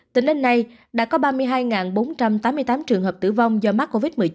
tính đến nay đã có ba mươi hai bốn trăm tám mươi tám trường hợp tử vong do mắc covid một mươi chín